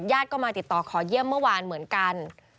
ก็มาติดต่อขอเยี่ยมเมื่อวานเหมือนกัน